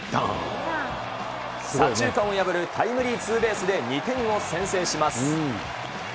左中間を破るタイムリーツーベースで２点を先制します。